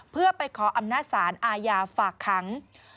เพื่อไปขออำนาจศาลอาญาฝากขัง